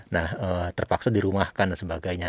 nah terpaksa dirumahkan dan sebagainya